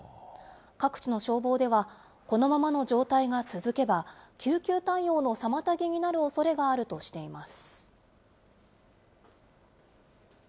各地の消防では、このままの状態が続けば、救急対応の妨げになるおそれがあるとしています。